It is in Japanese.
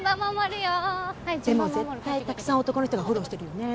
でも絶対たくさん男の人がフォローしてるよね